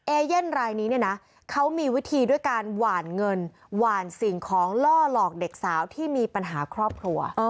เอเย่นรายนี้เนี่ยนะเขามีวิธีด้วยการหวานเงินหว่านสิ่งของล่อหลอกเด็กสาวที่มีปัญหาครอบครัว